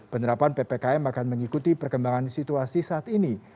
penerapan ppkm akan mengikuti perkembangan situasi saat ini